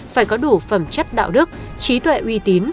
phải có đủ phẩm chất đạo đức trí tuệ uy tín